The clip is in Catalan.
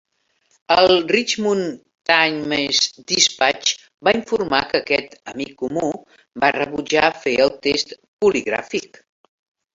El "Richmond Times-Dispatch" va informar que aquest "amic comú" va rebutjar fer el test poligràfic.